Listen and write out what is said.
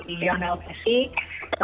seorang yang berharap messi akan menang